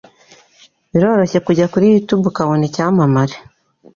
Biroroshe kujya kuri Youtube akabona icyamamare